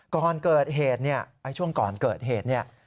ก่อนเกิดเหตุเนี่ยช่วงก่อนเกิดเหตุเนี่ย